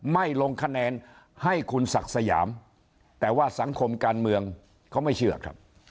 ไม่ลงคะแนนให้คุณศักดิ์สยามแต่ว่าสังคมการเมืองเขาไม่เชื่อครับ